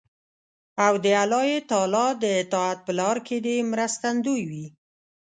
او د الله تعالی د اطاعت په لار کې دې مرستندوی وي.